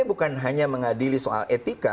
bukan hanya mengadili soal etika